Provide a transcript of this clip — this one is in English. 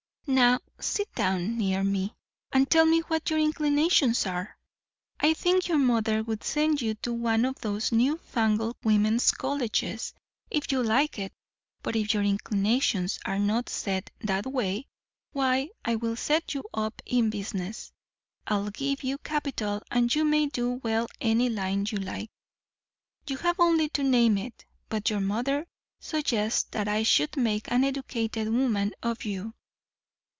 Now, sit down near me, and tell me what your inclinations are. I think your mother would send you to one of those new fangled women's colleges if you liked it; but if your inclinations are not set that way, why, I will set you up in business. I'll give you capital, and you may do well—any line you like; you have only to name it. But your mother suggests that I should make an educated woman of you."